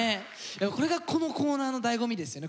これがこのコーナーのだいご味ですよね。